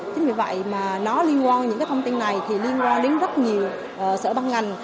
chính vì vậy mà nó liên quan những cái thông tin này thì liên quan đến rất nhiều sở băng ngành